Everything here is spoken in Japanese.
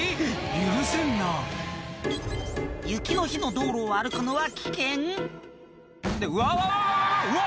許せんな雪の日の道路を歩くのは危険ってうわわわわ！